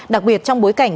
đặc biệt trong bối cảnh